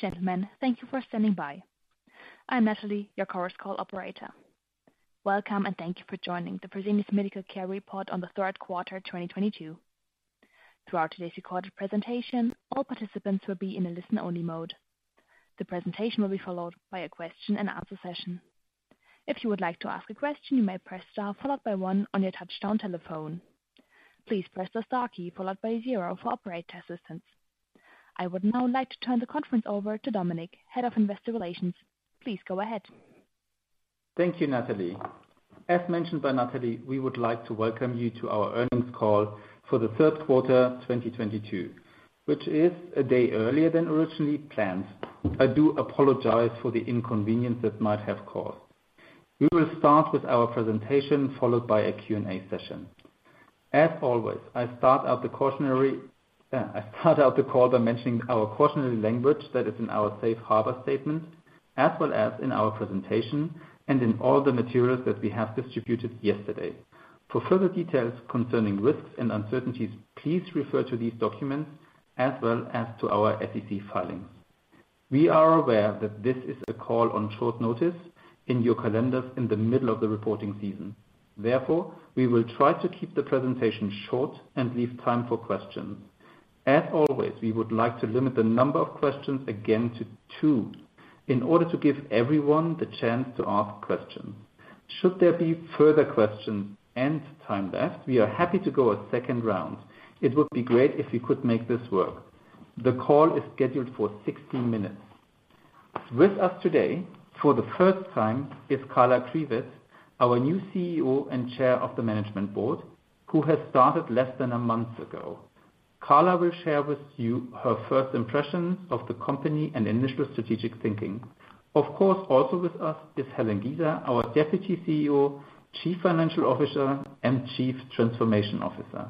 Ladies and gentlemen, thank you for standing by. I'm Natalie, your conference call operator. Welcome, and thank you for joining the Fresenius Medical Care report on the Q3 2022. Throughout today's recorded presentation, all participants will be in a listen-only mode. The presentation will be followed by a question-and-answer session. If you would like to ask a question, you may press star followed by one on your touchtone telephone. Please press the star key followed by zero for operator assistance. I would now like to turn the conference over to Dominik, Head of Investor Relations. Please go ahead. Thank you, Natalie. As mentioned by Natalie, we would like to welcome you to our earnings call for the Q3, 2022, which is a day earlier than originally planned. I do apologize for the inconvenience it might have caused. We will start with our presentation, followed by a Q&A session. As always, I start out the call by mentioning our cautionary language that is in our safe harbor statement, as well as in our presentation and in all the materials that we have distributed yesterday. For further details concerning risks and uncertainties, please refer to these documents as well as to our SEC filings. We are aware that this is a call on short notice in your calendars in the middle of the reporting season. Therefore, we will try to keep the presentation short and leave time for questions. As always, we would like to limit the number of questions again to two in order to give everyone the chance to ask questions. Should there be further questions and time left, we are happy to go a second round. It would be great if we could make this work. The call is scheduled for 60 minutes. With us today for the first time is Carla Kriwet, our new CEO and Chair of the Management Board, who has started less than a month ago. Carla will share with you her first impressions of the company and initial strategic thinking. Of course, also with us is Helen Giza, our Deputy CEO, Chief Financial Officer, and Chief Transformation Officer.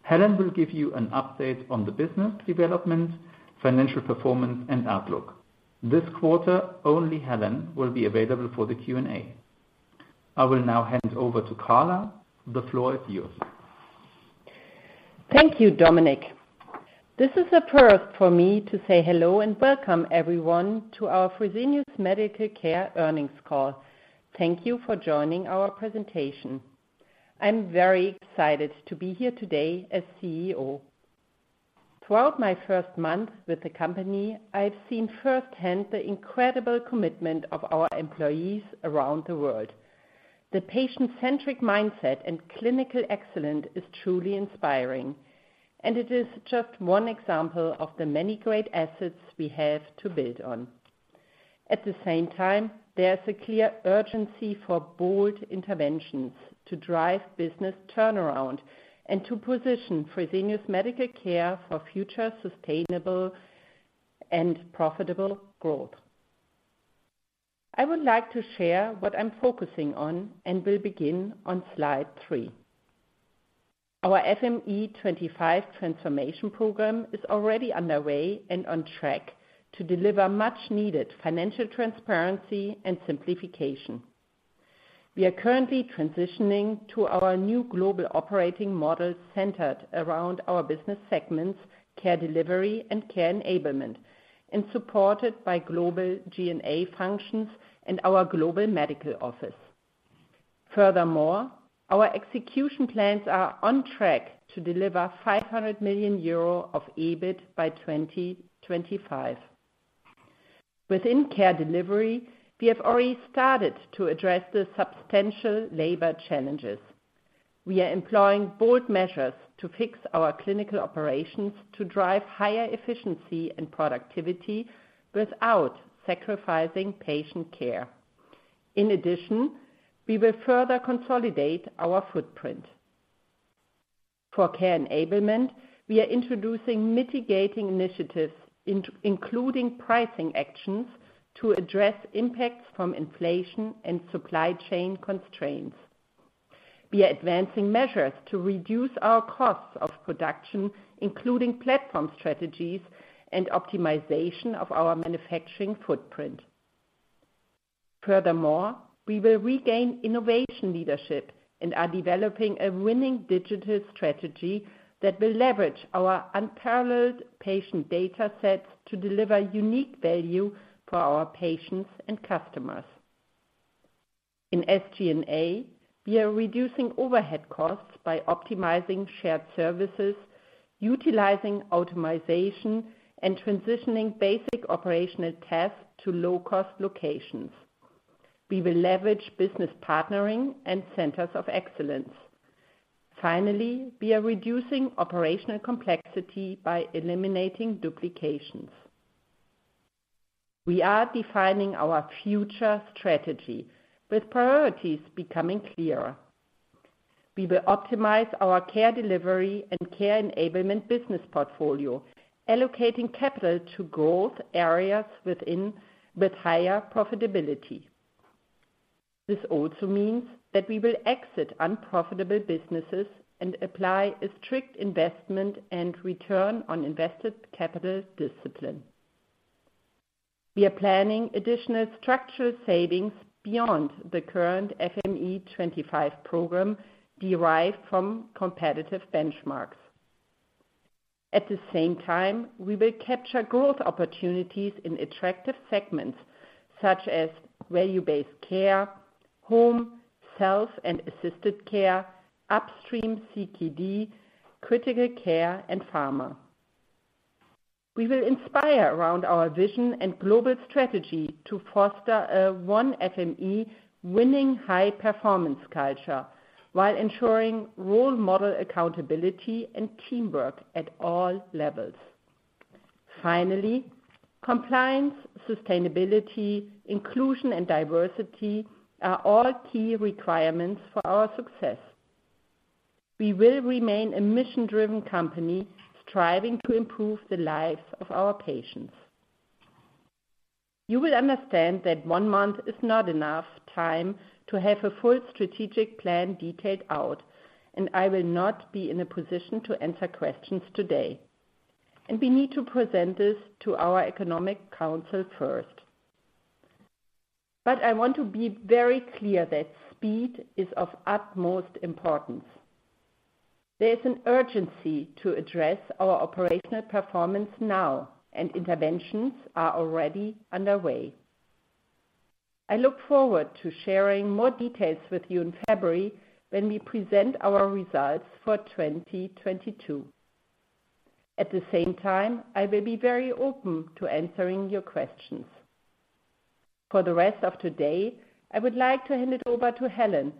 Helen will give you an update on the business development, financial performance, and outlook. This quarter, only Helen will be available for the Q&A. I will now hand over to Carla. The floor is yours. Thank you, Dominik. This is a first for me to say hello and welcome everyone to our Fresenius Medical Care earnings call. Thank you for joining our presentation. I'm very excited to be here today as CEO. Throughout my first month with the company, I have seen firsthand the incredible commitment of our employees around the world. The patient-centric mindset and clinical excellence is truly inspiring, and it is just one example of the many great assets we have to build on. At the same time, there's a clear urgency for bold interventions to drive business turnaround and to position Fresenius Medical Care for future sustainable and profitable growth. I would like to share what I'm focusing on, and will begin on slide three. Our FME25 transformation program is already underway and on track to deliver much-needed financial transparency and simplification. We are currently transitioning to our new global operating model centered around our business segments, Care Delivery and Care Enablement, and supported by global G&A functions and our global medical office. Furthermore, our execution plans are on track to deliver 500 million euro of EBIT by 2025. Within Care Delivery, we have already started to address the substantial labor challenges. We are employing bold measures to fix our clinical operations to drive higher efficiency and productivity without sacrificing patient care. In addition, we will further consolidate our footprint. For Care Enablement, we are introducing mitigating initiatives, including pricing actions, to address impacts from inflation and supply chain constraints. We are advancing measures to reduce our costs of production, including platform strategies and optimization of our manufacturing footprint. Furthermore, we will regain innovation leadership and are developing a winning digital strategy that will leverage our unparalleled patient data sets to deliver unique value for our patients and customers. In SG&A, we are reducing overhead costs by optimizing shared services, utilizing automation, and transitioning basic operational tasks to low-cost locations. We will leverage business partnering and centers of excellence. Finally, we are reducing operational complexity by eliminating duplications. We are defining our future strategy with priorities becoming clearer. We will optimize our Care Delivery and Care Enablement business portfolio, allocating capital to growth areas with higher profitability. This also means that we will exit unprofitable businesses and apply a strict investment and return on invested capital discipline. We are planning additional structural savings beyond the current FME25 program derived from competitive benchmarks. At the same time, we will capture growth opportunities in attractive segments such as value-based care, home, health and assisted care, upstream CKD, critical care, and pharma. We will inspire around our vision and global strategy to foster a one FME winning high performance culture while ensuring role model accountability and teamwork at all levels. Finally, compliance, sustainability, inclusion, and diversity are all key requirements for our success. We will remain a mission-driven company striving to improve the lives of our patients. You will understand that one month is not enough time to have a full strategic plan detailed out, and I will not be in a position to answer questions today. We need to present this to our economic council first. I want to be very clear that speed is of utmost importance. There is an urgency to address our operational performance now, and interventions are already underway. I look forward to sharing more details with you in February when we present our results for 2022. At the same time, I will be very open to answering your questions. For the rest of today, I would like to hand it over to Helen,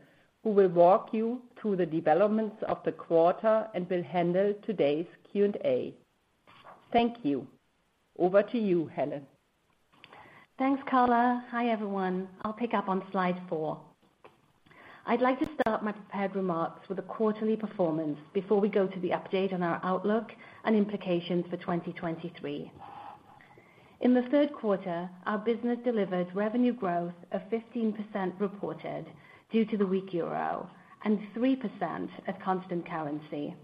who will walk you through the developments of the quarter and will handle today's Q&A. Thank you. Over to you, Helen. Thanks, Carla. Hi, everyone. I'll pick up on slide four. I'd like to start my prepared remarks with the quarterly performance before we go to the update on our outlook and implications for 2023. In the Q3, our business delivered revenue growth of 15% reported due to the weak euro and 3% at constant currency.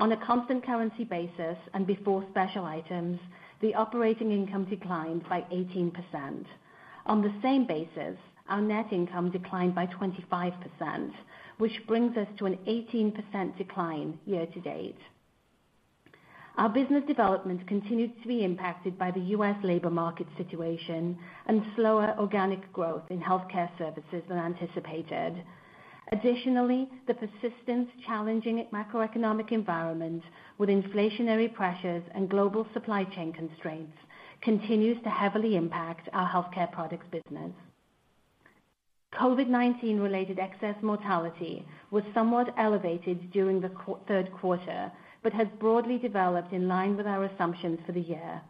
On a constant currency basis and before special items, the operating income declined by 18%. On the same basis, our net income declined by 25%, which brings us to an 18% decline year to date. Our business development continued to be impacted by the U.S. labor market situation and slower organic growth in healthcare services than anticipated. Additionally, the persistent challenging macroeconomic environment with inflationary pressures and global supply chain constraints continues to heavily impact our healthcare products business. COVID-19 related excess mortality was somewhat elevated during the Q3, but has broadly developed in line with our assumptions for the year.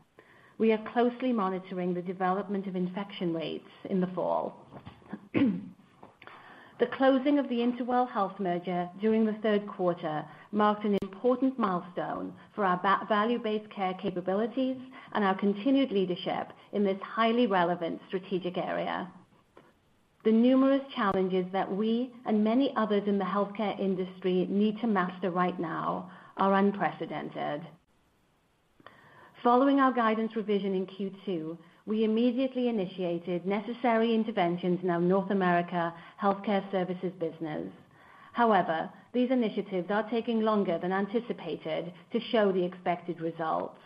We are closely monitoring the development of infection rates in the fall. The closing of the InterWell Health merger during the Q3 marked an important milestone for our value-based care capabilities and our continued leadership in this highly relevant strategic area. The numerous challenges that we and many others in the healthcare industry need to master right now are unprecedented. Following our guidance revision in Q2, we immediately initiated necessary interventions in our North America healthcare services business. However, these initiatives are taking longer than anticipated to show the expected results.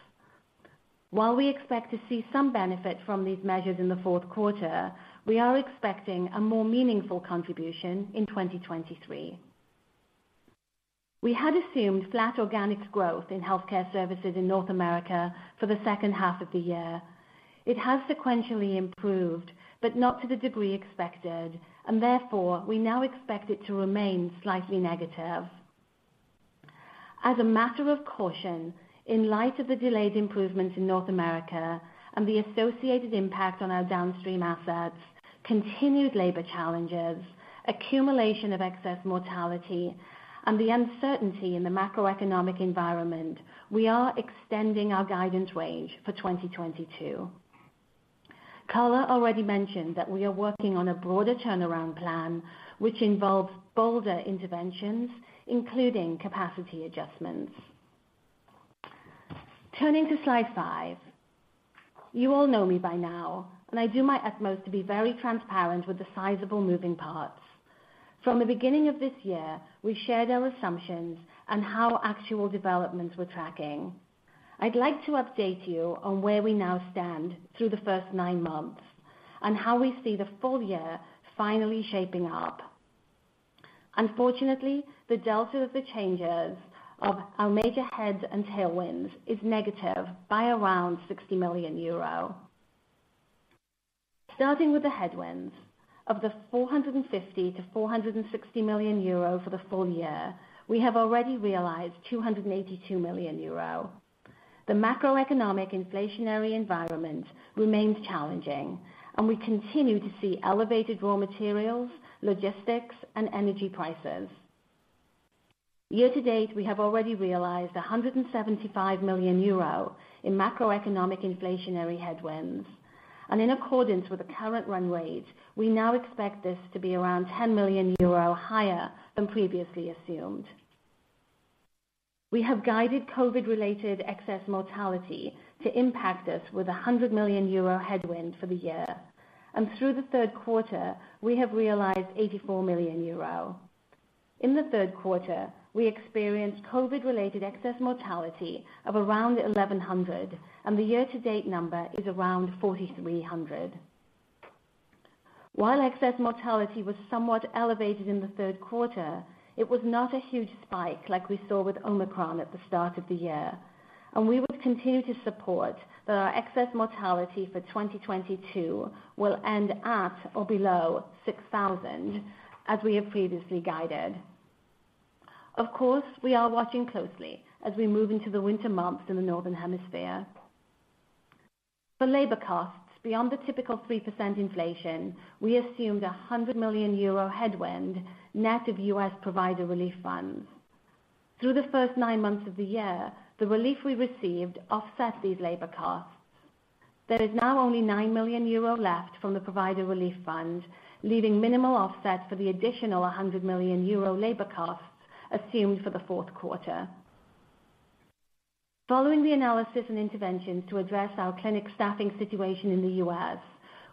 While we expect to see some benefit from these measures in the Q4, we are expecting a more meaningful contribution in 2023. We had assumed flat organic growth in healthcare services in North America for the second half of the year. It has sequentially improved, but not to the degree expected, and therefore, we now expect it to remain slightly negative. As a matter of caution, in light of the delayed improvements in North America and the associated impact on our downstream assets, continued labor challenges, accumulation of excess mortality, and the uncertainty in the macroeconomic environment, we are extending our guidance range for 2022. Carla already mentioned that we are working on a broader turnaround plan, which involves bolder interventions, including capacity adjustments. Turning to slide five. You all know me by now, and I do my utmost to be very transparent with the sizable moving parts. From the beginning of this year, we shared our assumptions on how actual developments we're tracking. I'd like to update you on where we now stand through the first nine months and how we see the full year finally shaping up. Unfortunately, the delta of the changes of our major headwinds and tailwinds is negative by around 60 million euro. Starting with the headwinds of the 450 million-460 million euro for the full year, we have already realized 282 million euro. The macroeconomic inflationary environment remains challenging, and we continue to see elevated raw materials, logistics, and energy prices. Year to date, we have already realized 175 million euro in macroeconomic inflationary headwinds. In accordance with the current run rate, we now expect this to be around 10 million euro higher than previously assumed. We have guided COVID related excess mortality to impact us with a 100 million euro headwind for the year. Through the Q3, we have realized 84 million euro. In the Q3, we experienced COVID-related excess mortality of around 1,100, and the year-to-date number is around 4,300. While excess mortality was somewhat elevated in the Q3, it was not a huge spike like we saw with Omicron at the start of the year, and we would continue to support that our excess mortality for 2022 will end at or below 6,000, as we have previously guided. Of course, we are watching closely as we move into the winter months in the northern hemisphere. For labor costs beyond the typical 3% inflation, we assumed a 100 million euro headwind net of U.S. Provider Relief Funds. Through the first nine months of the year, the relief we received offset these labor costs. There is now only 9 million euro left from the Provider Relief Fund, leaving minimal offsets for the additional 100 million euro labor costs assumed for the Q4. Following the analysis and interventions to address our clinic staffing situation in the US,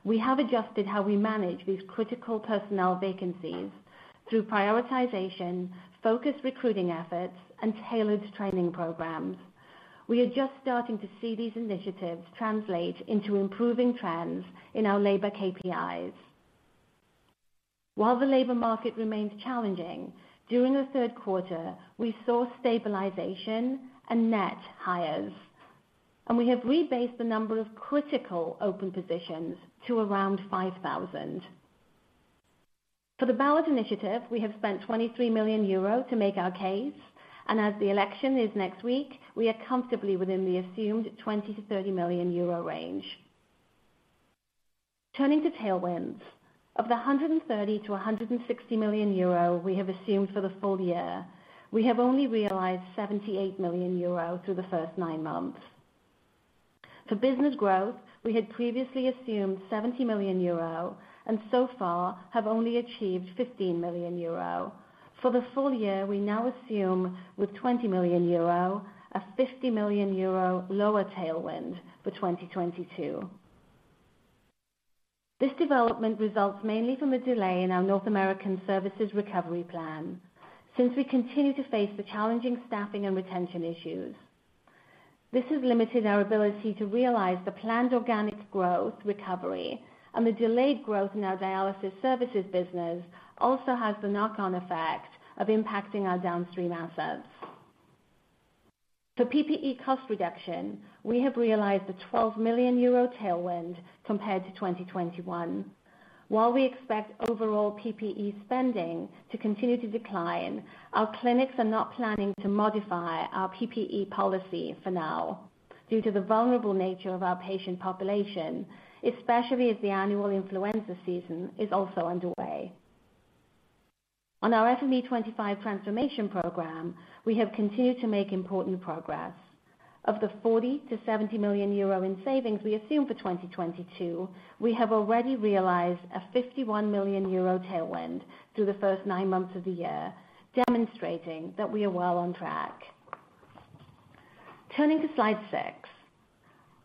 we have adjusted how we manage these critical personnel vacancies through prioritization, focused recruiting efforts and tailored training programs. We are just starting to see these initiatives translate into improving trends in our labor KPIs. While the labor market remains challenging, during the Q3, we saw stabilization and net hires, and we have rebased the number of critical open positions to around 5,000. For the ballot initiative, we have spent 23 million euro to make our case, and as the election is next week, we are comfortably within the assumed 20-30 million euro range. Turning to tailwinds. Of the 130 million-160 million euro we have assumed for the full year, we have only realized 78 million euro through the first nine months. For business growth, we had previously assumed 70 million euro and so far have only achieved 15 million euro. For the full year, we now assume with 20 million euro, a 50 million euro lower tailwind for 2022. This development results mainly from a delay in our North American services recovery plan. Since we continue to face the challenging staffing and retention issues, this has limited our ability to realize the planned organic growth recovery and the delayed growth in our dialysis services business also has the knock on effect of impacting our downstream assets. For PPE cost reduction, we have realized a 12 million euro tailwind compared to 2021. While we expect overall PPE spending to continue to decline, our clinics are not planning to modify our PPE policy for now due to the vulnerable nature of our patient population, especially as the annual influenza season is also underway. On our FME25 transformation program, we have continued to make important progress. Of the 40 million-70 million euro in savings we assume for 2022, we have already realized a 51 million euro tailwind through the first nine months of the year, demonstrating that we are well on track. Turning to slide six.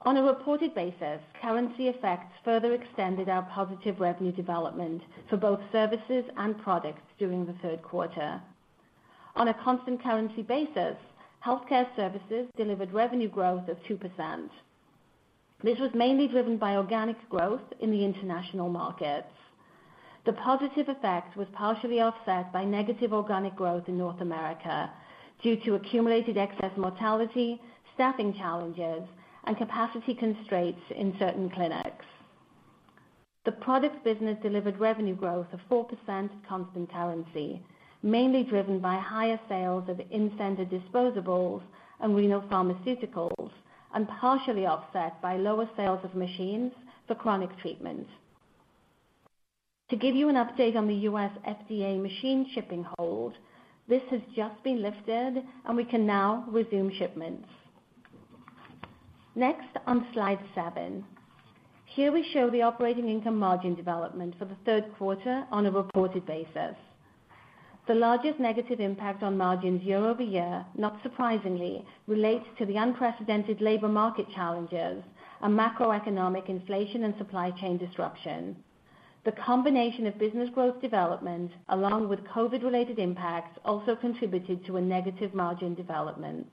On a reported basis, currency effects further extended our positive revenue development for both services and products during the Q3. On a constant currency basis, healthcare services delivered revenue growth of 2%. This was mainly driven by organic growth in the international markets. The positive effect was partially offset by negative organic growth in North America due to accumulated excess mortality, staffing challenges and capacity constraints in certain clinics. The products business delivered revenue growth of 4% constant currency, mainly driven by higher sales of in-center disposables and renal pharmaceuticals, and partially offset by lower sales of machines for chronic treatment. To give you an update on the US FDA machine shipping hold, this has just been lifted and we can now resume shipments. Next on slide seven. Here we show the operating income margin development for the Q3 on a reported basis. The largest negative impact on margins year-over-year, not surprisingly, relates to the unprecedented labor market challenges and macroeconomic inflation and supply chain disruption. The combination of business growth development along with COVID-related impacts also contributed to a negative margin development.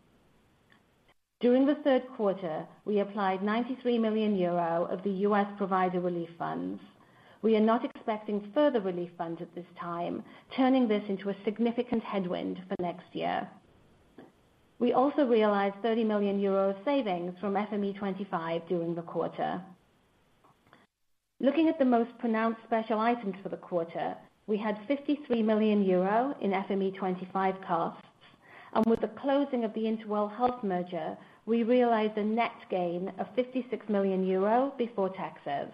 During the Q3, we applied 93 million euro of the U.S. Provider Relief Funds. We are not expecting further relief funds at this time, turning this into a significant headwind for next year. We also realized 30 million euro of savings from FME25 during the quarter. Looking at the most pronounced special items for the quarter, we had 53 million euro in FME25 costs, and with the closing of the InterWell Health merger, we realized a net gain of 56 million euro before taxes.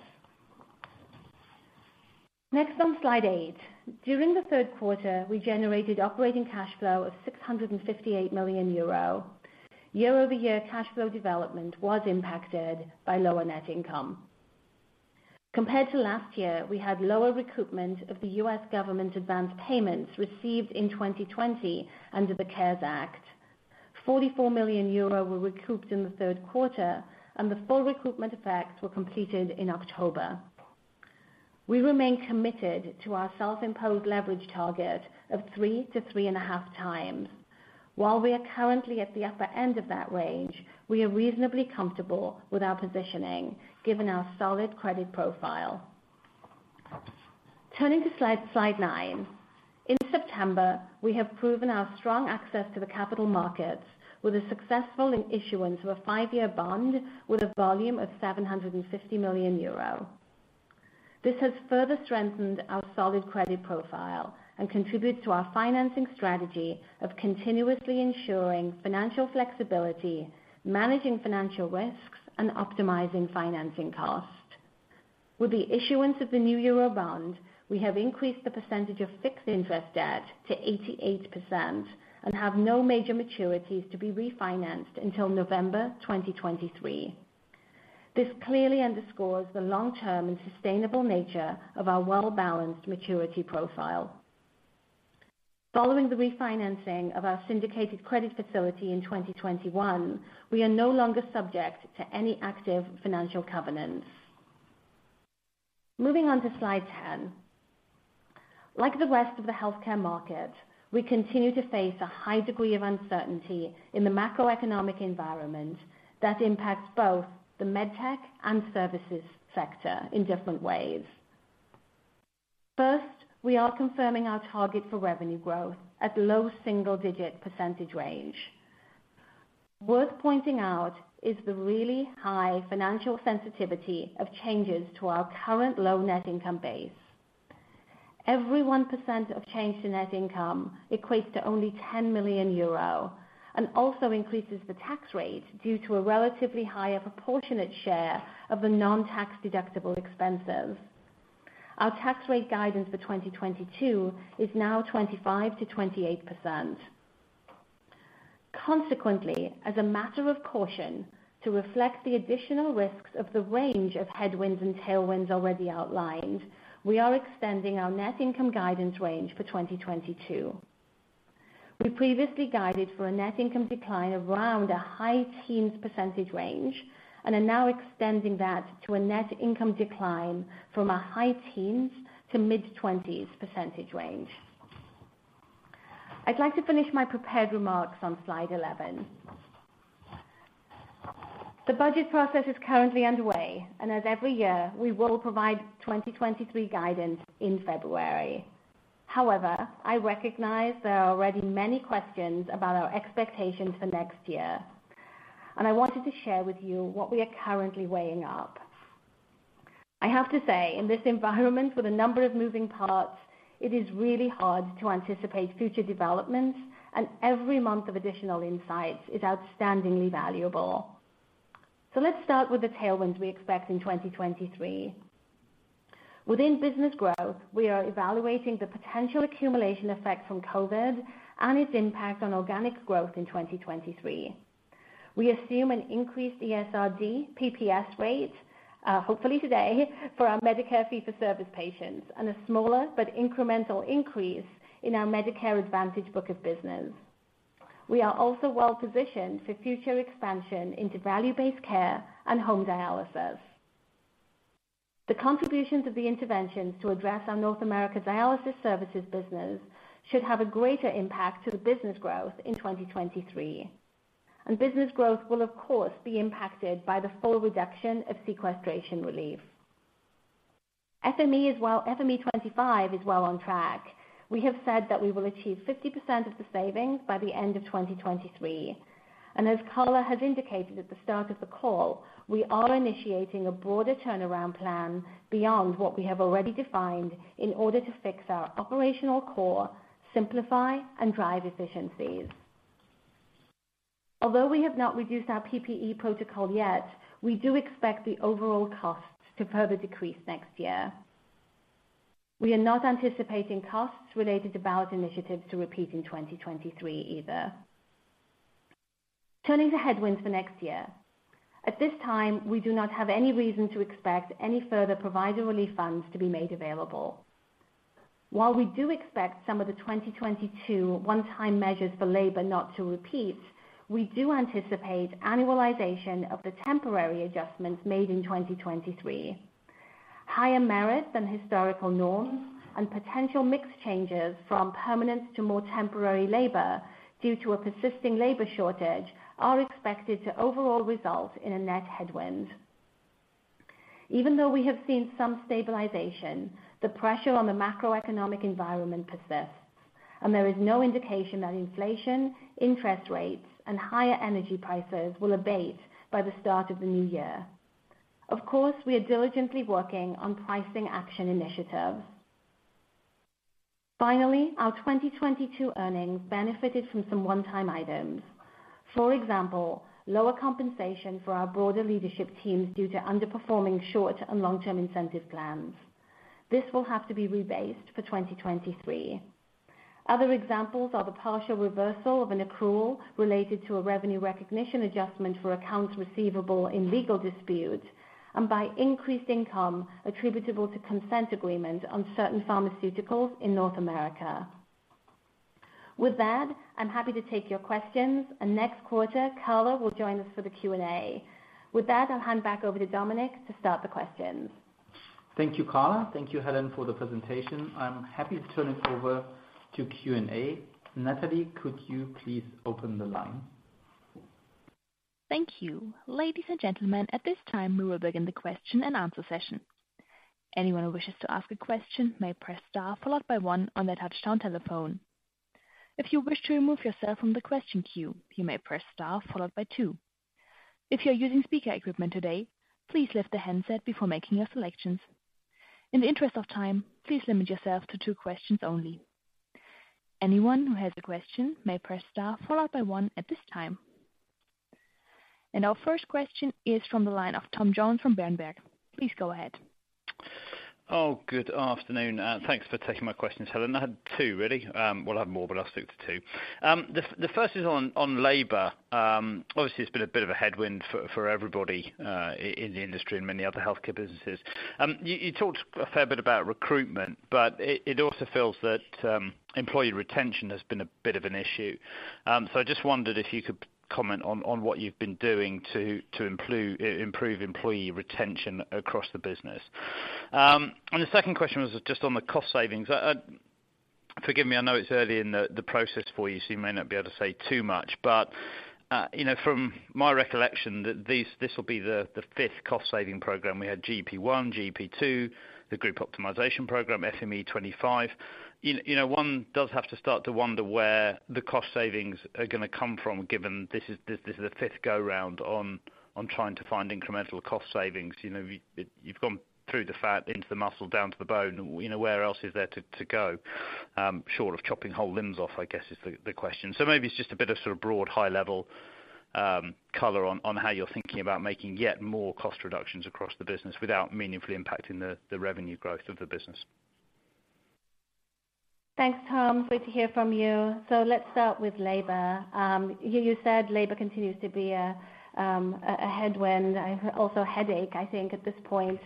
Next on slide eight. During the Q3, we generated operating cash flow of 658 million euro. Year-over-year cash flow development was impacted by lower net income. Compared to last year, we had lower recoupment of the U.S. government advance payments received in 2020 under the CARES Act. 44 million euro were recouped in the Q3, and the full recoupment effects were completed in October. We remain committed to our self-imposed leverage target of 3-3.5 times. While we are currently at the upper end of that range, we are reasonably comfortable with our positioning given our solid credit profile. Turning to slide 9. In September, we have proven our strong access to the capital markets with a successful issuance of a five-year bond with a volume of 750 million euro. This has further strengthened our solid credit profile and contributes to our financing strategy of continuously ensuring financial flexibility, managing financial risks, and optimizing financing costs. With the issuance of the new euro bond, we have increased the percentage of fixed interest debt to 88% and have no major maturities to be refinanced until November 2023. This clearly underscores the long-term and sustainable nature of our well-balanced maturity profile. Following the refinancing of our syndicated credit facility in 2021, we are no longer subject to any active financial covenants. Moving on to slide 10. Like the rest of the healthcare market, we continue to face a high degree of uncertainty in the macroeconomic environment that impacts both the med tech and services sector in different ways. First, we are confirming our target for revenue growth at low single-digit percentage range. Worth pointing out is the really high financial sensitivity of changes to our current low net income base. Every 1% of change to net income equates to only 10 million euro and also increases the tax rate due to a relatively higher proportionate share of the non-tax-deductible expenses. Our tax rate guidance for 2022 is now 25%-28%. Consequently, as a matter of caution to reflect the additional risks of the range of headwinds and tailwinds already outlined, we are extending our net income guidance range for 2022. We previously guided for a net income decline around a high teens % range, and are now extending that to a net income decline from a high teens to mid-20s % range. I'd like to finish my prepared remarks on slide 11. The budget process is currently underway, and as every year, we will provide 2023 guidance in February. However, I recognize there are already many questions about our expectations for next year, and I wanted to share with you what we are currently weighing up. I have to say, in this environment with a number of moving parts, it is really hard to anticipate future developments, and every month of additional insights is outstandingly valuable. Let's start with the tailwinds we expect in 2023. Within business growth, we are evaluating the potential accumulation effect from COVID and its impact on organic growth in 2023. We assume an increased ESRD PPS rate, hopefully today for our Medicare fee-for-service patients and a smaller but incremental increase in our Medicare Advantage book of business. We are also well-positioned for future expansion into value-based care and home dialysis. The contributions of the interventions to address our North America dialysis services business should have a greater impact to the business growth in 2023. Business growth will of course be impacted by the full reduction of sequestration relief. FME25 is well on track. We have said that we will achieve 50% of the savings by the end of 2023. As Carla has indicated at the start of the call, we are initiating a broader turnaround plan beyond what we have already defined in order to fix our operational core, simplify, and drive efficiencies. Although we have not reduced our PPE protocol yet, we do expect the overall costs to further decrease next year. We are not anticipating costs related to ballot initiatives to repeat in 2023 either. Turning to headwinds for next year. At this time, we do not have any reason to expect any further Provider Relief Funds to be made available. While we do expect some of the 2022 one-time measures for labor not to repeat, we do anticipate annualization of the temporary adjustments made in 2023. Higher margins than historical norms and potential mix changes from permanent to more temporary labor due to a persisting labor shortage are expected to overall result in a net headwind. Even though we have seen some stabilization, the pressure on the macroeconomic environment persists, and there is no indication that inflation, interest rates, and higher energy prices will abate by the start of the new year. Of course, we are diligently working on pricing action initiatives. Finally, our 2022 earnings benefited from some one-time items. For example, lower compensation for our broader leadership teams due to underperforming short- and long-term incentive plans. This will have to be rebased for 2023. Other examples are the partial reversal of an accrual related to a revenue recognition adjustment for accounts receivable in legal disputes and by increased income attributable to consent agreement on certain pharmaceuticals in North America. With that, I'm happy to take your questions. Next quarter, Carla will join us for the Q&A. With that, I'll hand back over to Dominik to start the questions. Thank you, Carla. Thank you, Helen, for the presentation. I'm happy to turn it over to Q&A. Natalie, could you please open the line? Thank you. Ladies and gentlemen, at this time, we will begin the question and answer session. Anyone who wishes to ask a question may press star followed by one on their touchtone telephone. If you wish to remove yourself from the question queue, you may press star followed by two. If you're using speaker equipment today, please lift the handset before making your selections. In the interest of time, please limit yourself to two questions only. Anyone who has a question may press star followed by one at this time. Our first question is from the line of Tom Jones from Berenberg. Please go ahead. Good afternoon. Thanks for taking my questions, Helen. I had two, really. We'll have more, but I'll stick to two. The first is on labor. Obviously it's been a bit of a headwind for everybody in the industry and many other healthcare businesses. You talked a fair bit about recruitment, but it also feels that employee retention has been a bit of an issue. So I just wondered if you could comment on what you've been doing to improve employee retention across the business. The second question was just on the cost savings. Forgive me, I know it's early in the process for you, so you may not be able to say too much. From my recollection, this will be the fifth cost saving program. We had GP one, GP two, the group optimization program, FME25. You know, one does have to start to wonder where the cost savings are gonna come from, given this is the fifth go round on trying to find incremental cost savings. You know, you've gone through the fat into the muscle, down to the bone. You know, where else is there to go short of chopping whole limbs off, I guess, is the question. Maybe it's just a bit of sort of broad high level color on how you're thinking about making yet more cost reductions across the business without meaningfully impacting the revenue growth of the business. Thanks, Tom. Great to hear from you. Let's start with labor. You said labor continues to be a headwind and also headache, I think, at this point.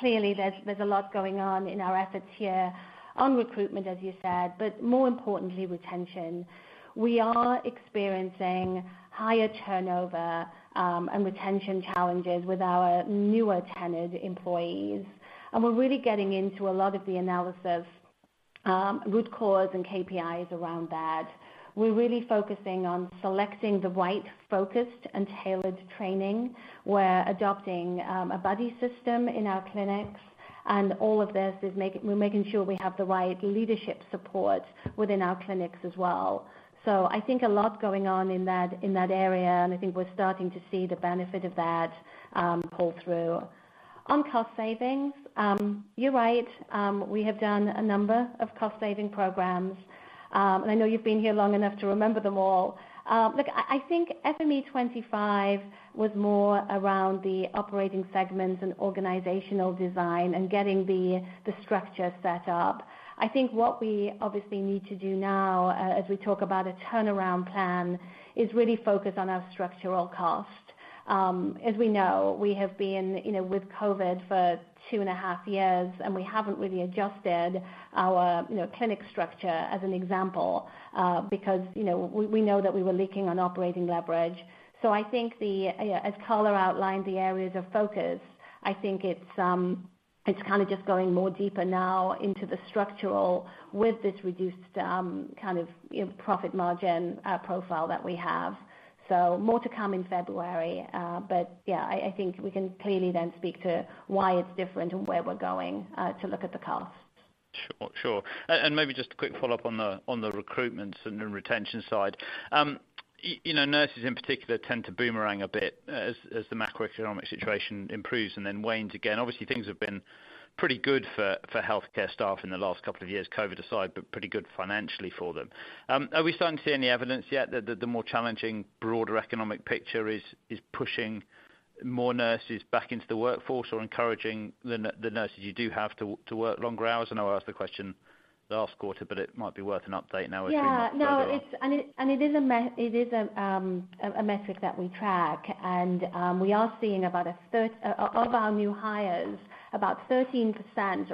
Clearly there's a lot going on in our efforts here on recruitment, as you said, but more importantly, retention. We are experiencing higher turnover and retention challenges with our newer tenured employees. We're really getting into a lot of the analysis, root cause and KPIs around that. We're really focusing on selecting the right focused and tailored training. We're adopting a buddy system in our clinics, and all of this is making sure we have the right leadership support within our clinics as well. I think a lot going on in that area, and I think we're starting to see the benefit of that pull through. On cost savings, you're right. We have done a number of cost saving programs. I know you've been here long enough to remember them all. Look, I think FME25 was more around the operating segments and organizational design and getting the structure set up. I think what we obviously need to do now, as we talk about a turnaround plan, is really focus on our structural cost. As we know, we have been you know with COVID for 2.5 years, and we haven't really adjusted our you know clinic structure as an example, because you know we know that we were leaking on operating leverage. I think, yeah, as Carla outlined the areas of focus, I think it's kinda just going more deeper now into the structural with this reduced kind of, you know, profit margin profile that we have. More to come in February. Yeah, I think we can clearly then speak to why it's different and where we're going to look at the cost. Sure. Maybe just a quick follow-up on the recruitment and retention side. You know, nurses in particular tend to boomerang a bit as the macroeconomic situation improves and then wanes again. Obviously, things have been pretty good for healthcare staff in the last couple of years, COVID aside, but pretty good financially for them. Are we starting to see any evidence yet that the more challenging, broader economic picture is pushing more nurses back into the workforce or encouraging the nurses you do have to work longer hours? I know I asked the question the last quarter, but it might be worth an update now as we move further on. Yeah. No, it is a metric that we track. We are seeing about 13% of our new hires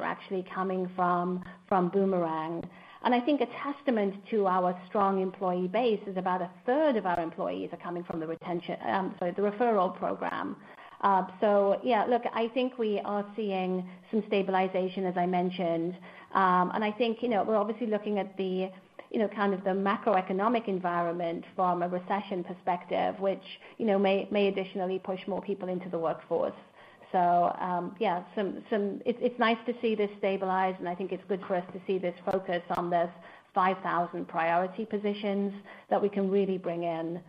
actually coming from Boomerang. I think a testament to our strong employee base is about a third of our employees are coming from the retention, sorry, the referral program. Yeah, look, I think we are seeing some stabilization, as I mentioned. I think, you know, we're obviously looking at the, you know, kind of the macroeconomic environment from a recession perspective, which, you know, may additionally push more people into the workforce. It's nice to see this stabilize, and I think it's good for us to see this focus on this 5,000 priority positions that we can really bring in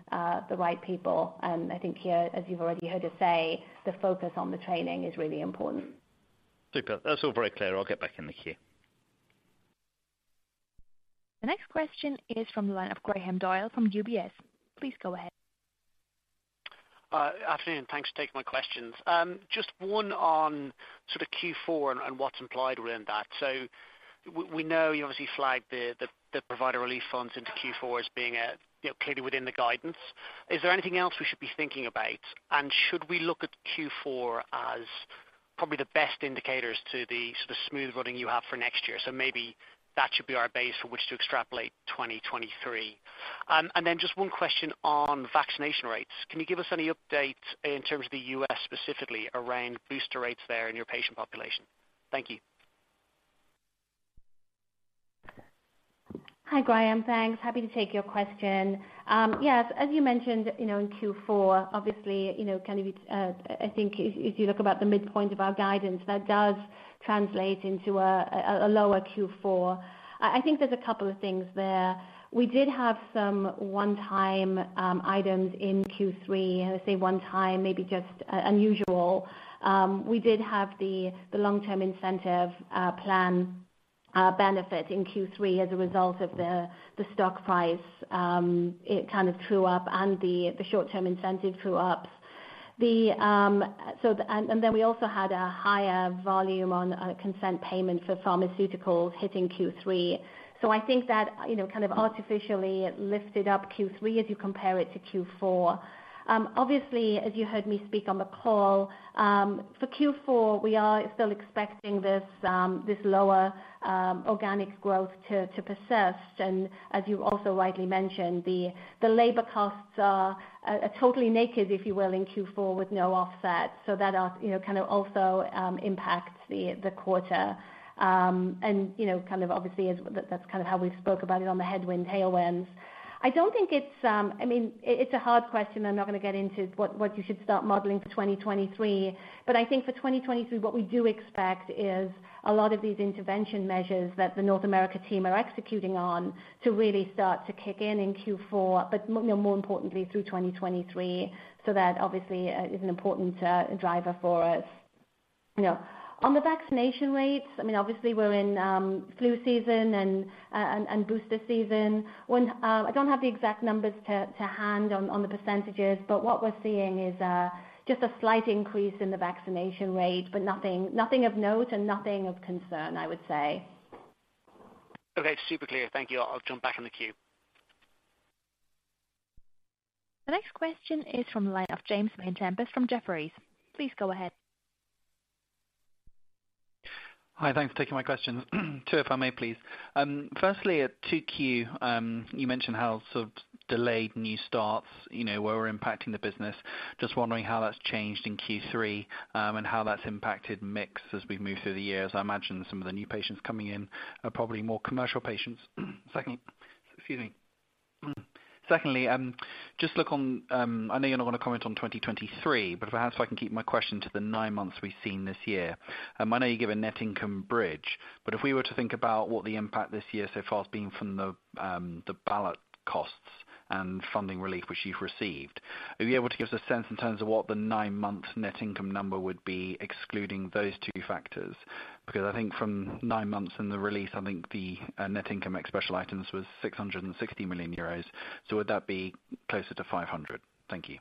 the right people. I think here, as you've already heard us say, the focus on the training is really important. Super. That's all very clear. I'll get back in the queue. The next question is from the line of Graham Doyle from UBS. Please go ahead. Afternoon, thanks for taking my questions. Just one on sort of Q4 and what's implied within that. We know you obviously flagged the Provider Relief Funds into Q4 as being, you know, clearly within the guidance. Is there anything else we should be thinking about? Should we look at Q4 as probably the best indicators to the sort of smooth running you have for next year? Maybe that should be our base for which to extrapolate 2023. Then just one question on vaccination rates. Can you give us any update in terms of the U.S. specifically around booster rates there in your patient population? Thank you. Hi, Graham. Thanks. Happy to take your question. Yes, as you mentioned, you know, in Q4, obviously, you know, kind of it, I think if you look about the midpoint of our guidance, that does translate into a lower Q4. I think there's a couple of things there. We did have some one-time items in Q3. One-time, maybe just unusual. We did have the long-term incentive plan benefit in Q3 as a result of the stock price. It kind of true-up and the short-term incentive true-ups. And then we also had a higher volume on a consent payment for pharmaceuticals hitting Q3. So I think that, you know, kind of artificially it lifted up Q3 as you compare it to Q4. Obviously, as you heard me speak on the call, for Q4, we are still expecting this lower organic growth to persist. As you also widely mentioned, the labor costs are totally naked, if you will, in Q4 with no offset. That, you know, kind of also impacts the quarter. You know, kind of obviously is that's kind of how we spoke about it on the headwind, tailwinds. I don't think it's. I mean, it's a hard question, I'm not gonna get into what you should start modeling for 2023. I think for 2023, what we do expect is a lot of these intervention measures that the North America team are executing on to really start to kick in in Q4, but more importantly through 2023. That obviously is an important driver for us. You know. On the vaccination rates, I mean, obviously we're in flu season and booster season. I don't have the exact numbers to hand on the percentages, but what we're seeing is just a slight increase in the vaccination rate, but nothing of note and nothing of concern, I would say. Okay. Super clear. Thank you. I'll jump back in the queue. The next question is from the line of James Vane-Tempest from Jefferies. Please go ahead. Hi. Thanks for taking my question. Two, if I may please. Firstly at 2Q, you mentioned how sort of delayed new starts, you know, were impacting the business. Just wondering how that's changed in Q3, and how that's impacted mix as we move through the year. As I imagine some of the new patients coming in are probably more commercial patients. Secondly, excuse me. Secondly, I know you're not gonna comment on 2023, but perhaps if I can keep my question to the nine months we've seen this year. I know you gave a net income bridge, but if we were to think about what the impact this year so far has been from the ballot costs and funding relief which you've received, are you able to give us a sense in terms of what the nine-month net income number would be excluding those two factors? Because I think from nine months in the release, I think the net income ex special items was 660 million euros. Would that be closer to 500 million? Thank you.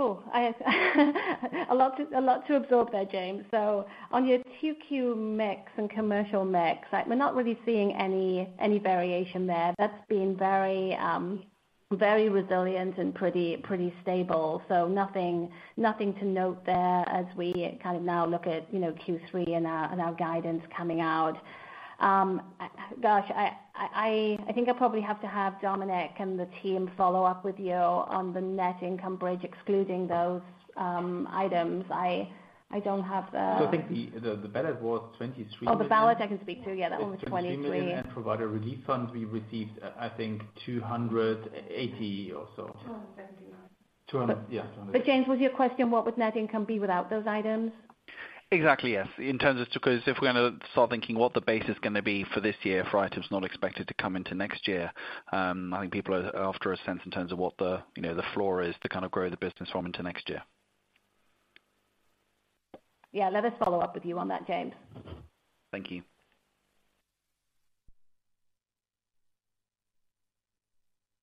Oh, I have a lot to absorb there, James. On your 2Q mix and commercial mix, like we're not really seeing any variation there. That's been very resilient and pretty stable. Nothing to note there as we kind of now look at, you know, Q3 and our guidance coming out. Gosh, I think I probably have to have Dominik and the team follow up with you on the net income bridge excluding those items. I don't have the- I think the ballot was 23 million. Oh, the balance I can speak to. Yeah, that one was 23 million. Provider Relief Funds we received I think $280 or so. James, was your question what would net income be without those items? Exactly, yes. In terms of 'cause if we're gonna start thinking what the base is gonna be for this year for items not expected to come into next year, I think people are after a sense in terms of what the, you know, the floor is to kind of grow the business from into next year. Yeah. Let us follow up with you on that, James. Thank you.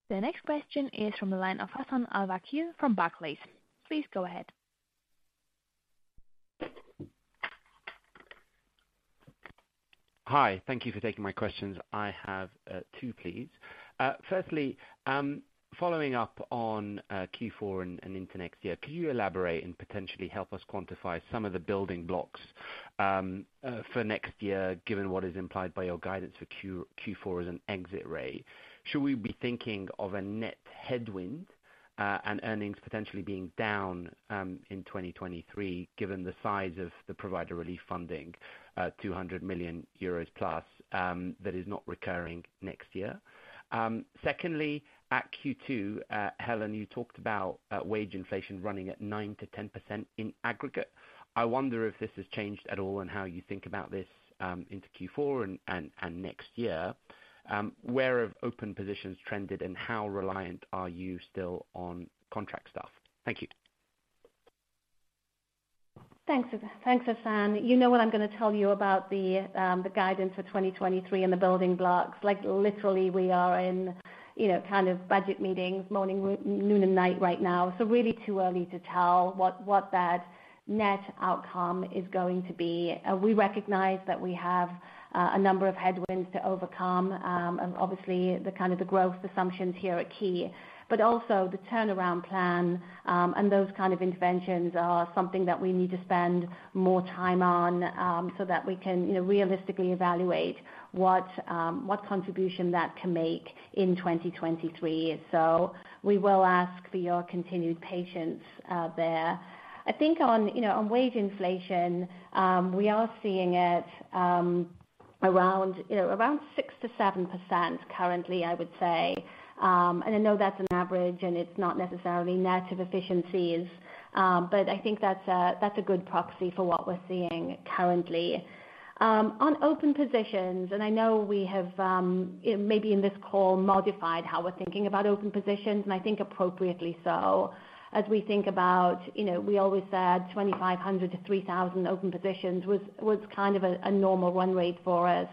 The next question is from the line of Hassan Al-Wakeel from Barclays. Please go ahead. Hi. Thank you for taking my questions. I have two, please. Firstly, following up on Q4 and into next year, could you elaborate and potentially help us quantify some of the building blocks for next year, given what is implied by your guidance for Q4 as an exit rate? Should we be thinking of a net headwind and earnings potentially being down in 2023, given the size of the provider relief funding, 200 million euros plus, that is not recurring next year? Secondly, at Q2, Helen, you talked about wage inflation running at 9%-10% in aggregate. I wonder if this has changed at all and how you think about this into Q4 and next year. Where have open positions trended and how reliant are you still on contract staff? Thank you. Thanks, Hassan. You know what I'm gonna tell you about the guidance for 2023 and the building blocks. Like, literally we are in, you know, kind of budget meetings morning, noon, and night right now. Really too early to tell what that net outcome is going to be. We recognize that we have a number of headwinds to overcome. Obviously the kind of growth assumptions here are key. Also the turnaround plan and those kind of interventions are something that we need to spend more time on, so that we can, you know, realistically evaluate what contribution that can make in 2023. We will ask for your continued patience there. I think on wage inflation, you know, we are seeing it around six to seven percent currently, I would say. I know that's an average, and it's not necessarily net of efficiencies, but I think that's a good proxy for what we're seeing currently. On open positions, I know we have maybe in this call modified how we're thinking about open positions, and I think appropriately so, as we think about, you know, we always said 2,500-3,000 open positions was kind of a normal run rate for us.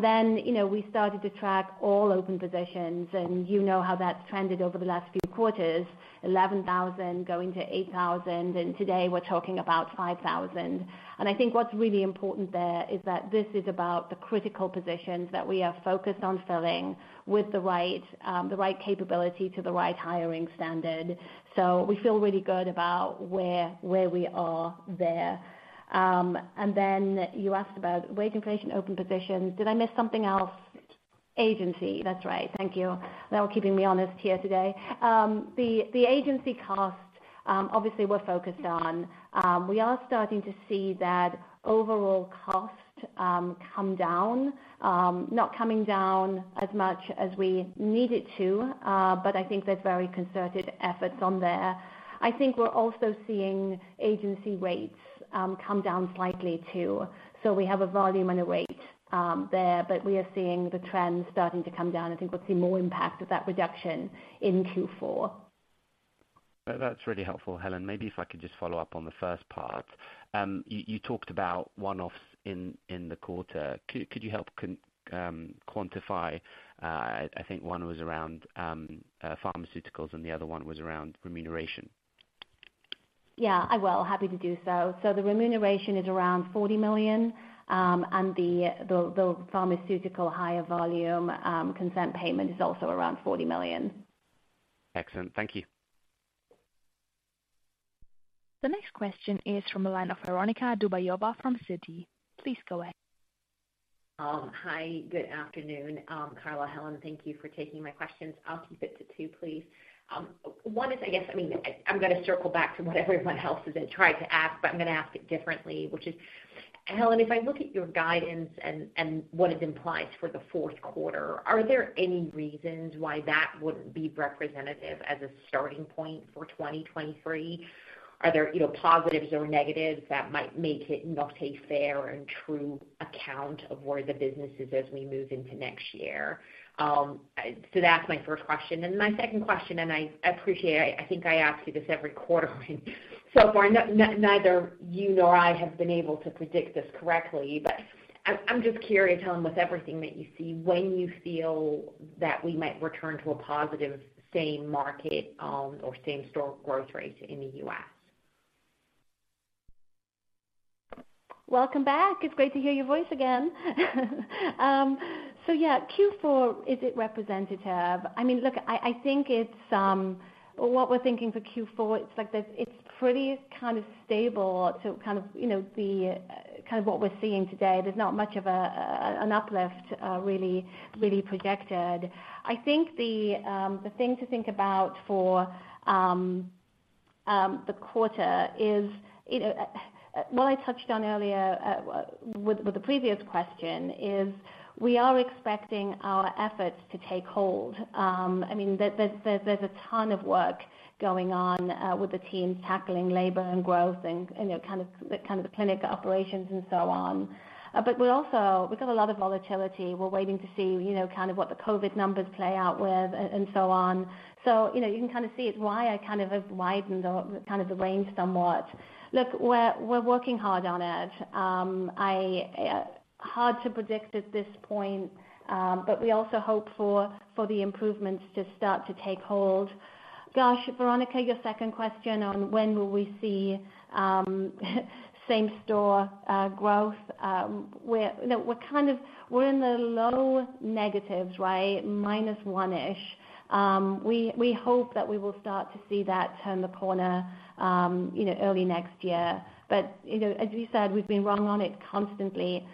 Then, you know, we started to track all open positions, and you know how that's trended over the last few quarters, 11,000 going to 8,000, and today we're talking about 5,000. I think what's really important there is that this is about the critical positions that we are focused on filling with the right capability to the right hiring standard. We feel really good about where we are there. Then you asked about wage inflation, open positions. Did I miss something else? Agency. That's right. Thank you. You all keeping me honest here today. The agency cost, obviously we're focused on. We are starting to see that overall cost come down. Not coming down as much as we need it to, but I think there's very concerted efforts on there. I think we're also seeing agency rates come down slightly too. So we have a volume and a weight there, but we are seeing the trends starting to come down. I think we'll see more impact of that reduction in Q4. That's really helpful, Helen. Maybe if I could just follow up on the first part. You talked about one-offs in the quarter. Could you help quantify? I think one was around pharmaceuticals and the other one was around remuneration. Yeah, I will. Happy to do so. The remuneration is around 40 million, and the pharmaceutical higher volume consent payment is also around 40 million. Excellent. Thank you. The next question is from the line of Veronika Dubajova from Citi. Please go ahead. Hi. Good afternoon. Carla, Helen, thank you for taking my questions. I'll keep it to two, please. One is, I guess, I mean, I'm gonna circle back to what everyone else has been trying to ask, but I'm gonna ask it differently, which is, Helen, if I look at your guidance and what it implies for the Q4, are there any reasons why that wouldn't be representative as a starting point for 2023? Are there, you know, positives or negatives that might make it not a fair and true account of where the business is as we move into next year? So that's my first question. My second question, and I appreciate, I think I ask you this every quarter so far. Neither you nor I have been able to predict this correctly. I'm just curious, Helen, with everything that you see, when you feel that we might return to a positive same market, or same store growth rate in the U.S.? Welcome back. It's great to hear your voice again. Yeah, Q4, is it representative? I mean, look, I think it's what we're thinking for Q4, it's like this, it's pretty stable to, you know, the kind of what we're seeing today. There's not much of an uplift really projected. I think the thing to think about for the quarter is, you know, what I touched on earlier with the previous question is we are expecting our efforts to take hold. I mean, there is a ton of work going on with the team tackling labor and growth and, you know, kind of the clinic operations and so on. We also, we've got a lot of volatility. We're waiting to see, you know, kind of what the COVID numbers play out with and so on. You know, you can kind of see it, why I kind of have widened the kind of range somewhat. Look, we're working hard on it. Hard to predict at this point, but we also hope for the improvements to start to take hold. Gosh, Veronika, your second question on when will we see same store growth. We're kind of in the low negatives, right? -1%-ish. We hope that we will start to see that turn the corner, you know, early next year. You know, as you said, we've been wrong on it constantly.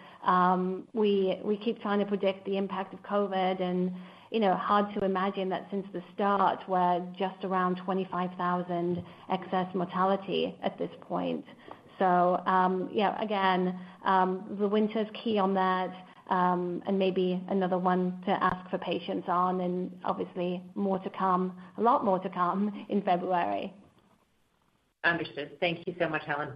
We keep trying to predict the impact of COVID and, you know, hard to imagine that since the start, we're just around 25,000 excess mortality at this point. Yeah, again, the winter is key on that, and maybe another one to ask for patience on and obviously more to come, a lot more to come in February. Understood. Thank you so much, Helen.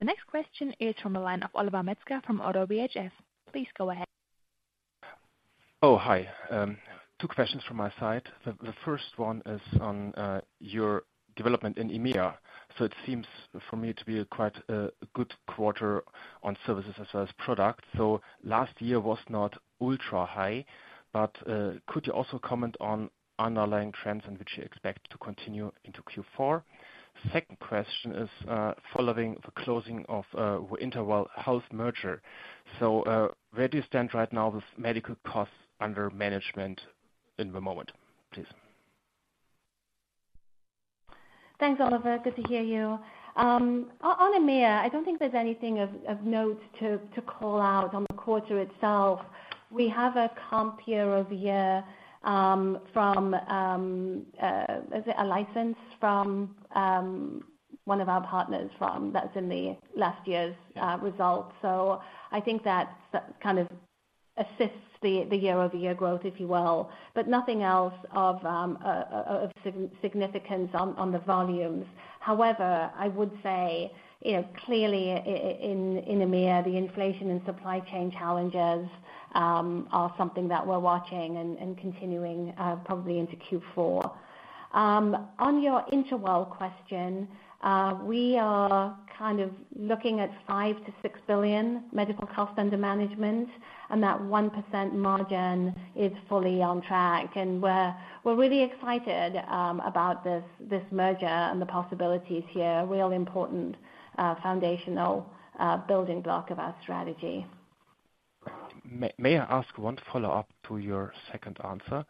The next question is from the line of Oliver Metzger from ODDO BHF. Please go ahead. Oh, hi. Two questions from my side. The first one is on your development in EMEA. It seems for me to be quite a good quarter on services as well as product. Last year was not ultra high, but could you also comment on underlying trends in which you expect to continue into Q4? Second question is following the closing of the InterWell Health merger. Where do you stand right now with medical costs under management at the moment, please? Thanks, Oliver. Good to hear you. On EMEA, I don't think there's anything of note to call out on the quarter itself. We have a comp year-over-year from a license from one of our partners. That's in the last year's results. So I think that's kind of assists the year-over-year growth, if you will. But nothing else of significance on the volumes. However, I would say, you know, clearly in EMEA, the inflation and supply chain challenges are something that we're watching and continuing probably into Q4. On your InterWell question, we are kind of looking at $5-$6 billion medical cost under management, and that 1% margin is fully on track. We're really excited about this merger and the possibilities here. Really important foundational building block of our strategy. May I ask one follow-up to your second answer?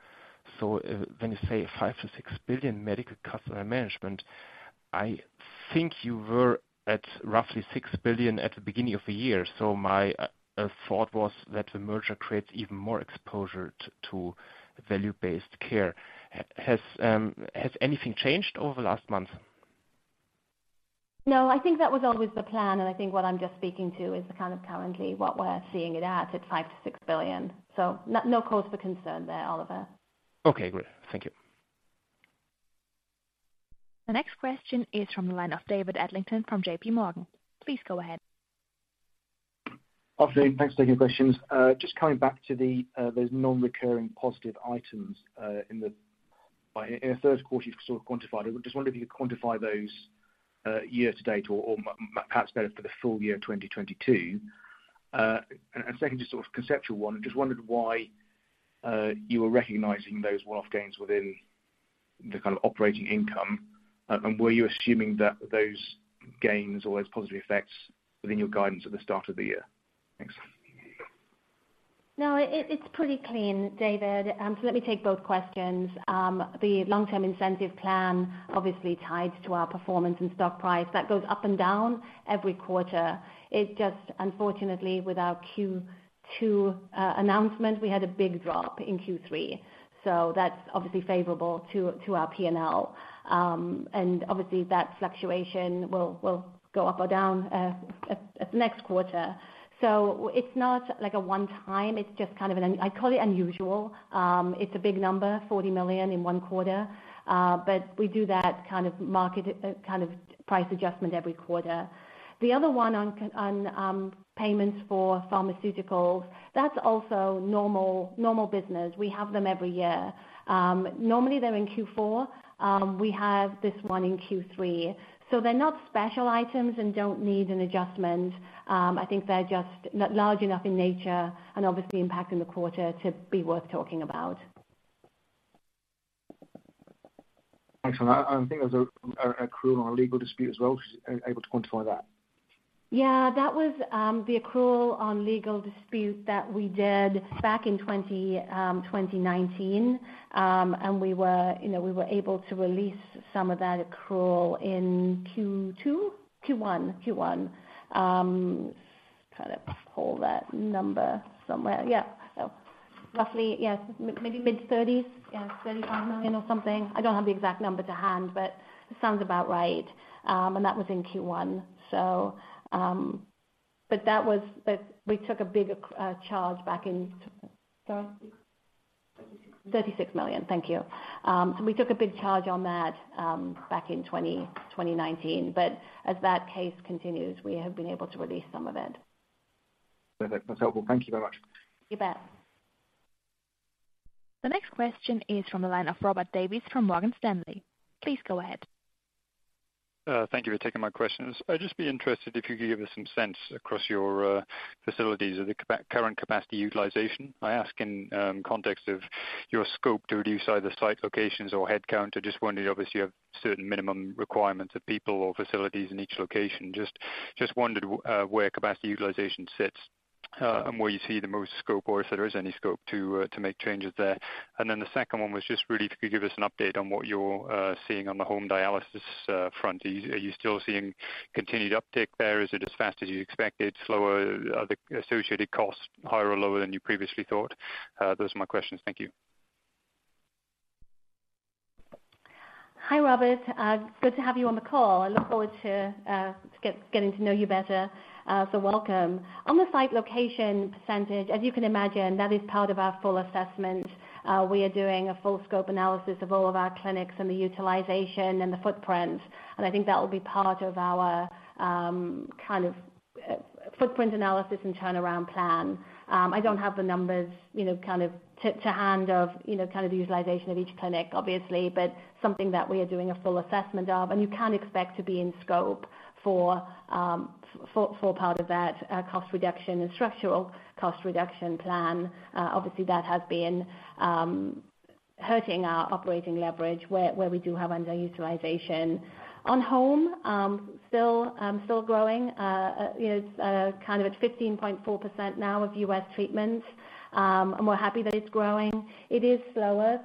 When you say 5-6 billion medical customer management, I think you were at roughly 6 billion at the beginning of the year. My thought was that the merger creates even more exposure to value-based care. Has anything changed over the last month? No, I think that was always the plan, and I think what I'm just speaking to is kind of currently what we're seeing it at 5-6 billion. No cause for concern there, Oliver. Okay, great. Thank you. The next question is from the line of David Adlington from JPMorgan. Please go ahead. Afternoon. Thanks for taking the questions. Just coming back to those non-recurring positive items in the Q1 you've sort of quantified it. Just wondering if you could quantify those year to date or maybe perhaps better for the full year 2022. Second, just sort of conceptual one. Just wondered why you were recognizing those one-off gains within the kind of operating income. Were you assuming that those gains or those positive effects within your guidance at the start of the year? Thanks. No, it's pretty clean, David. Let me take both questions. The long-term incentive plan obviously tied to our performance and stock price that goes up and down every quarter. It just unfortunately with our Q2 announcement, we had a big drop in Q3, so that's obviously favorable to our P&L. Obviously, that fluctuation will go up or down at next quarter. It's not like a one time. It's just kind of an unusual. It's a big number, 40 million in one quarter, but we do that kind of market price adjustment every quarter. The other one on payments for pharmaceuticals, that's also normal business. We have them every year. Normally they're in Q4. We have this one in Q3. They're not special items and don't need an adjustment. I think they're just large enough in nature and obviously impacting the quarter to be worth talking about. Excellent. I think there's an accrual on a legal dispute as well. Just able to quantify that. Yeah. That was the accrual on legal dispute that we did back in 2019. We were, you know, able to release some of that accrual in Q1. Trying to pull that number somewhere. Yeah. Roughly, yeah, maybe mid-30s. Yeah. 35 million or something. I don't have the exact number to hand, but it sounds about right. That was in Q1. We took a big charge back in 2019. Sorry. 36 million. Thank you. We took a big charge on that back in 2019. As that case continues, we have been able to release some of it. Perfect. That's helpful. Thank you very much. You bet. The next question is from the line of Robert Davies from Morgan Stanley. Please go ahead. Thank you for taking my questions. I'd just be interested if you could give us some sense across your facilities of the current capacity utilization. I ask in context of your scope to reduce either site locations or head count. I just wondered, obviously, you have certain minimum requirements of people or facilities in each location. Just wondered where capacity utilization sits, and where you see the most scope or if there is any scope to make changes there. The second one was just really if you could give us an update on what you're seeing on the home dialysis front. Are you still seeing continued uptick there? Is it as fast as you expected? Slower? Are the associated costs higher or lower than you previously thought? Those are my questions. Thank you. Hi, Robert. Good to have you on the call. I look forward to getting to know you better. Welcome. On the site location percentage, as you can imagine, that is part of our full assessment. We are doing a full scope analysis of all of our clinics and the utilization and the footprint. I think that will be part of our kind of footprint analysis and turnaround plan. I don't have the numbers, you know, kind of to hand off, you know, kind of the utilization of each clinic obviously, but something that we are doing a full assessment of. You can expect to be in scope for for part of that cost reduction and structural cost reduction plan. Obviously that has been hurting our operating leverage where we do have underutilization. On home, still growing, you know, it's kind of at 15.4% now of U.S. treatment. We're happy that it's growing. It is slower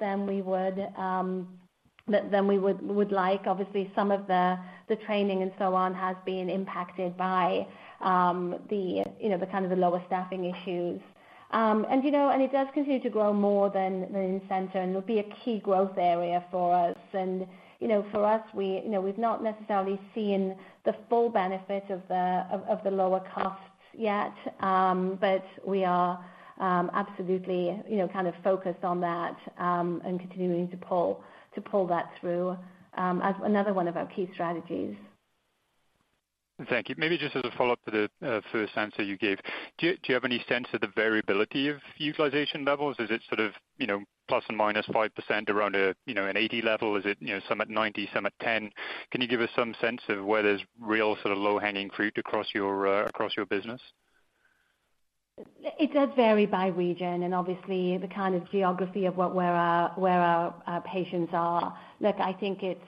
than we would like. Obviously, some of the training and so on has been impacted by the, you know, the kind of the lower staffing issues. You know, it does continue to grow more than in-center and will be a key growth area for us. You know, for us, you know, we've not necessarily seen the full benefit of the lower costs yet. We are absolutely, you know, kind of focused on that and continuing to pull that through as another one of our key strategies. Thank you. Maybe just as a follow-up to the first answer you gave. Do you have any sense of the variability of utilization levels? Is it sort of, you know, ±5% around a, you know, an 80% level? Is it, you know, some at 90%, some at 10%? Can you give us some sense of where there's real sort of low-hanging fruit across your business? It does vary by region and obviously the kind of geography of where our patients are. Look, I think it's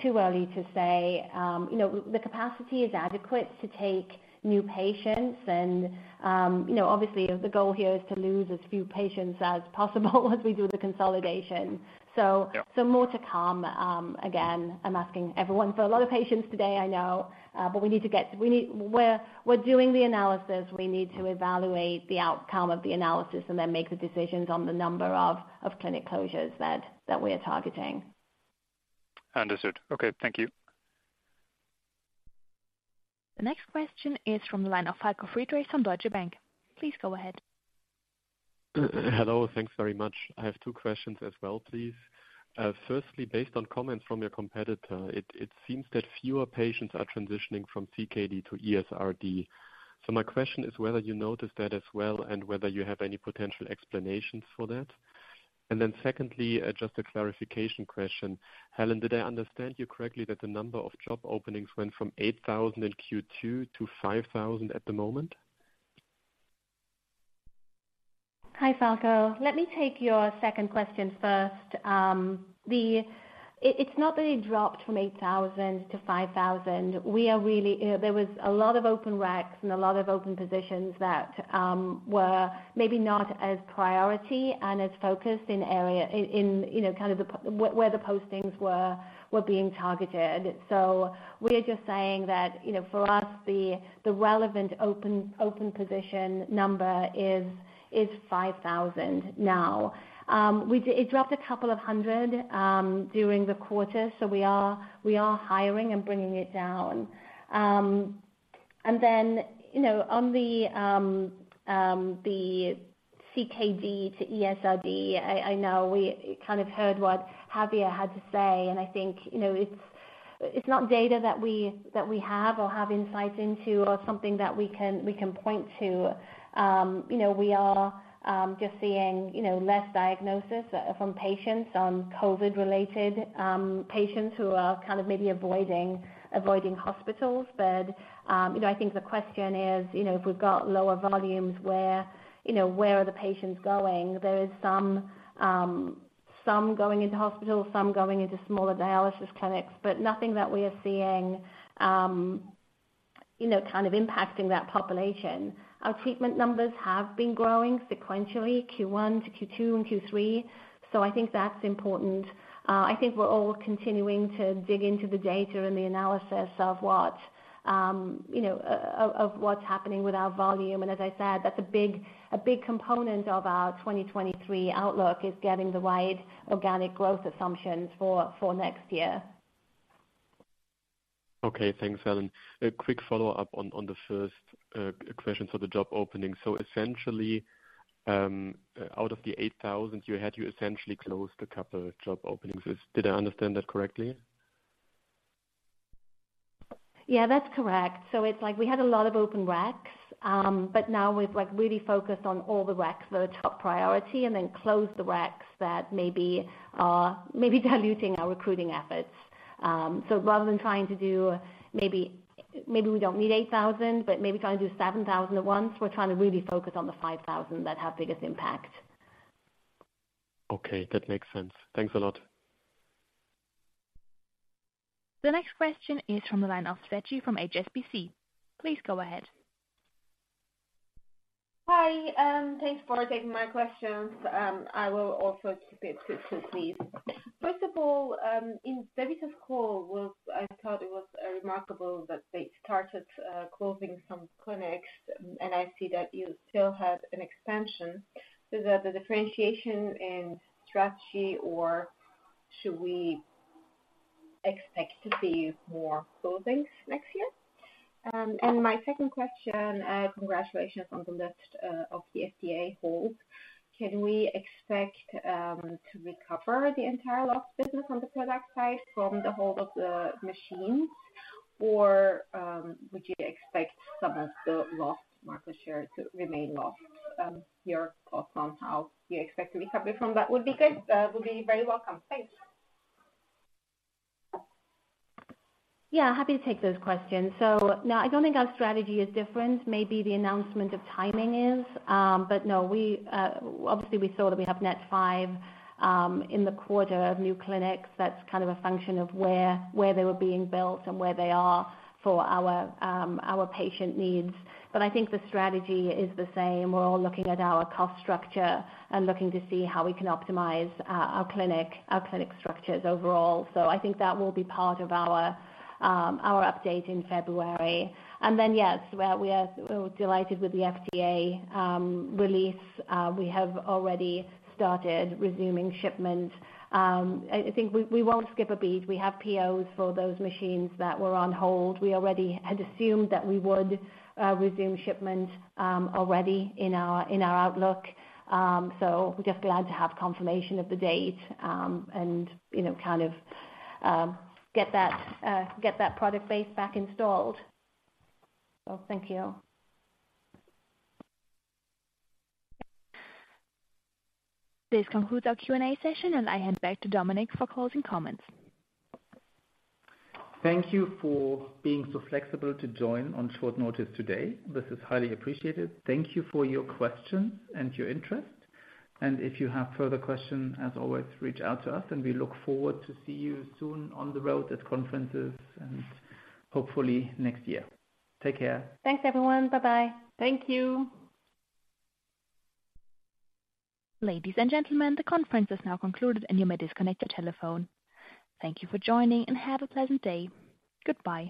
too early to say. You know, the capacity is adequate to take new patients and, you know, obviously the goal here is to lose as few patients as possible as we do the consolidation. Yeah. More to come. Again, I'm asking everyone for a lot of patience today, I know. We're doing the analysis. We need to evaluate the outcome of the analysis and then make the decisions on the number of clinic closures that we are targeting. Understood. Okay. Thank you. The next question is from the line of Falko Friedrichs on Deutsche Bank. Please go ahead. Hello, thanks very much. I have two questions as well, please. Firstly, based on comments from your competitor, it seems that fewer patients are transitioning from CKD to ESRD. My question is whether you noticed that as well, and whether you have any potential explanations for that. Secondly, just a clarification question. Helen, did I understand you correctly that the number of job openings went from 8,000 in Q2 to 5,000 at the moment? Hi, Falko. Let me take your second question first. It, it's not that it dropped from 8,000-5,000. We are really, there was a lot of open reqs and a lot of open positions that were maybe not as priority and as focused in area, in you know, kind of where the postings were being targeted. We're just saying that, you know, for us, the relevant open position number is 5,000 now. It dropped a couple of hundred during the quarter, so we are hiring and bringing it down. You know, on the CKD to ESRD, I know we kind of heard what Javier had to say, and I think, you know, it's not data that we have or have insights into or something that we can point to. You know, we are just seeing less diagnosis from patients, COVID-related patients who are kind of maybe avoiding hospitals. You know, I think the question is, you know, if we've got lower volumes, where, you know, where are the patients going? There is some going into hospitals, some going into smaller dialysis clinics, but nothing that we are seeing, you know, kind of impacting that population. Our treatment numbers have been growing sequentially, Q1 to Q2 and Q3, so I think that's important. I think we're all continuing to dig into the data and the analysis of what, you know, of what's happening with our volume. As I said, that's a big component of our 2023 outlook, is getting the right organic growth assumptions for next year. Okay. Thanks, Helen. A quick follow-up on the first question for the job opening. Essentially, out of the 8,000 you had, you essentially closed a couple of job openings. Did I understand that correctly? Yeah, that's correct. It's like we had a lot of open recs, but now we've like really focused on all the recs that are top priority and then closed the recs that maybe are diluting our recruiting efforts. Rather than trying to do, maybe we don't need 8,000, but maybe trying to do 7,000 at once, we're trying to really focus on the 5,000 that have biggest impact. Okay. That makes sense. Thanks a lot. The next question is from the line of [Seve Slg] from HSBC. Please go ahead. Hi, thanks for taking my questions. I will also keep it quick please. First of all, in DaVita's call, I thought it was remarkable that they started closing some clinics, and I see that you still have an expansion. Is that the differentiation in strategy or should we expect to see more closings next year? And my second question, congratulations on the lift of the FDA hold. Can we expect to recover the entire lost business on the product side from the hold of the machines, or would you expect some of the lost market share to remain lost? Your thoughts on how you expect to recover from that would be good. Will be very welcome. Thanks. Yeah, happy to take those questions. No, I don't think our strategy is different. Maybe the announcement of timing is. No, we obviously saw that we have net five in the quarter of new clinics. That's kind of a function of where they were being built and where they are for our patient needs. I think the strategy is the same. We're all looking at our cost structure and looking to see how we can optimize our clinic structures overall. I think that will be part of our update in February. Then, yes, we're delighted with the FDA release. We have already started resuming shipment. I think we won't skip a beat. We have POs for those machines that were on hold. We already had assumed that we would resume shipment already in our outlook. We're just glad to have confirmation of the date, and you know, kind of get that product base back installed. Thank you. This concludes our Q&A session and I hand back to Dominik for closing comments. Thank you for being so flexible to join on short notice today. This is highly appreciated. Thank you for your questions and your interest, and if you have further questions, as always, reach out to us and we look forward to see you soon on the road at conferences and hopefully next year. Take care. Thanks, everyone. Bye-bye. Thank you. Ladies and gentlemen, the conference is now concluded and you may disconnect your telephone. Thank you for joining and have a pleasant day. Goodbye.